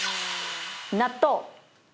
納豆？